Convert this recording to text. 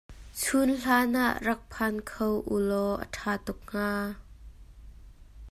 Chunhlan ah rak phan kho ulaw a ṭha tuk hnga.